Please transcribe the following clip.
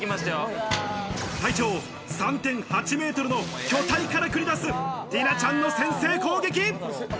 体長３．８メートルの巨体から繰り出す、ティナちゃんの先制攻撃。